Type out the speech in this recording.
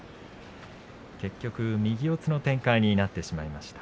結局、右四つの展開になってしまいました。